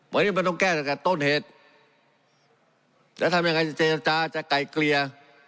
วันนี้มันต้องแก้ตั้งแต่ต้นเหตุแล้วทำยังไงจะเจรจาจะไกลเกลี่ย